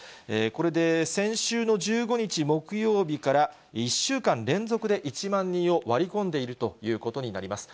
これで先週の１５日木曜日から１週間連続で１万人を割り込んでいるということになります。